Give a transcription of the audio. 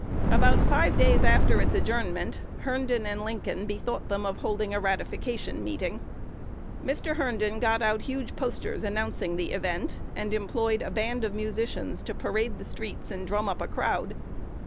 About five days after its adjournment, Herndon and Lincoln bethought them of holding a ratification meeting. Mr. Herndon got out huge posters, announcing the event, and employed a band of musicians to parade the streets and "drum up a crowd."